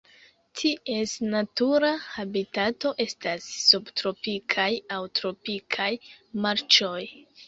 Ties natura habitato estas subtropikaj aŭ tropikaj marĉoj.